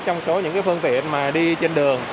trong số những phương tiện mà đi trên đường